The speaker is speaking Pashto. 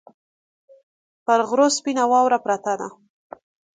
پر غرو سپینه واوره پرته وه